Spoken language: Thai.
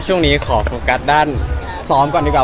ช่วงนี้ขอโฟกัสด้านซ้อมก่อนดีกว่า